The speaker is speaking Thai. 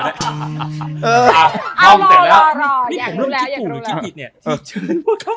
อยากรู้แล้วอยากรู้แล้ว